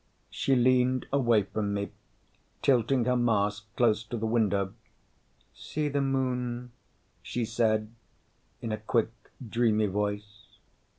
She leaned away from me, tilting her mask close to the window. "See the Moon," she said in a quick, dreamy voice.